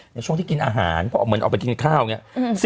ในช่วงที่กินอาหารเพราะเหมือนออกไปกินข้าวอย่างนี้